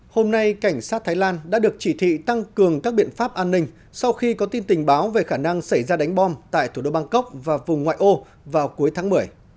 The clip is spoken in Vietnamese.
hôm nay cảnh sát thái lan đã được chỉ thị tăng cường các biện pháp an ninh sau khi có tin tình báo về khả năng xảy ra đánh bom tại thủ đô bangkok và vùng ngoại ô vào cuối tháng một mươi